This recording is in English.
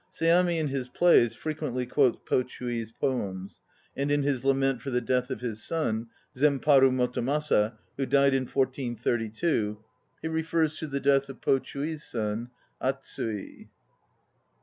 Seami, in his plays, frequently quotes Po Chu i's poems; and in his lament for the death of his son, Zemparu Motomasa, who died in 1432, he refers to the death of Po Chii i's son, A ts'ui.